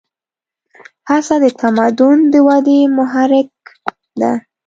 هڅه د تمدن د ودې محرک ده.